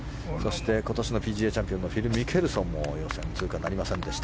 今年のＰＧＡのフィル・ミケルソンも予選通過なりませんでした。